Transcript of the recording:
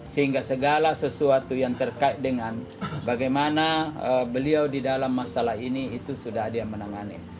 sehingga segala sesuatu yang terkait dengan bagaimana beliau di dalam masalah ini itu sudah ada yang menangani